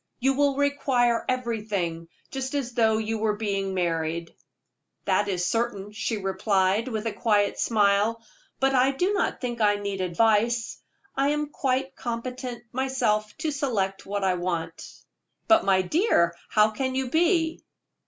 You will require everything, just as though you were being married." "That is certain," she replied, with a quiet smile; "but I do not think I shall need advice. I am quite competent myself to select what I want." "But, my dear child, how can you be?"